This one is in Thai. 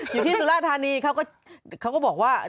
อยู่ที่สุราธารณีเขาก็บอกว่า